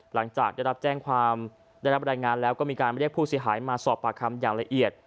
หลังจากได้รับแจ้งความได้รับรายงานแล้วก็มีการเรียกผู้เสียหายมาสอบปากคำอย่างละเอียด